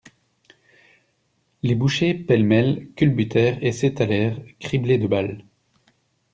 Les bouchers, pêle-mêle, culbutèrent et s'étalèrent, criblés de balles.